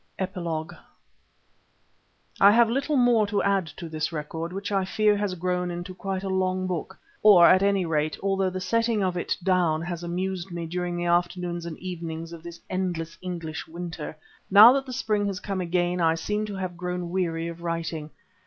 EPILOGUE I have little more to add to this record, which I fear has grown into quite a long book. Or, at any rate, although the setting of it down has amused me during the afternoons and evenings of this endless English winter, now that the spring is come again I seem to have grown weary of writing.